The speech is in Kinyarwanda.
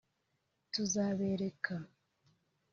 tuzabereka